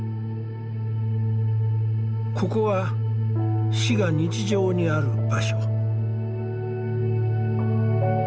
ここは死が日常にある場所。